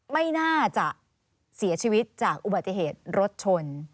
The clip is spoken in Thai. ไม่น่าจะเสียชีวิตจากอุบัติเหตุรถชน